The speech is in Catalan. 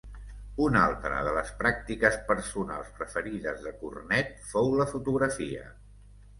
Una altra de les pràctiques personals preferides de Cornet fou la fotografia.